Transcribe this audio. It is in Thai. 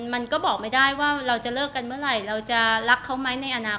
มันก็บอกไม่ได้ว่าเราจะเลิกกันเมื่อไหร่เราจะรักเขาไหมในอนาคต